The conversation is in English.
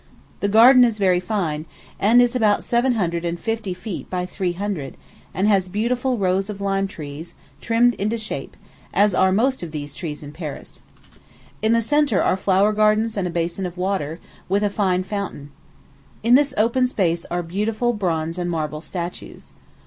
The garden is very fine, and is about seven hundred and fifty feet by three hundred, and has beautiful rows of lime trees, trimmed into shape, as are most of these trees in Paris. In the centre are flower gardens and a basin of water, with a fine fountain. In this open space are beautiful bronze and marble statues.